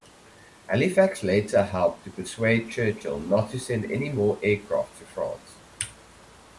Halifax later helped to persuade Churchill not to send any more aircraft to France.